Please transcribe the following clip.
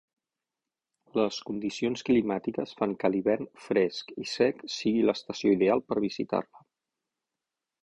Les condicions climàtiques fan que l'hivern, fresc i sec, sigui l'estació ideal per visitar-la.